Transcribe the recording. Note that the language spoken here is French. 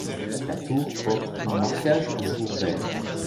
La tour porte unmarquage de jour vert.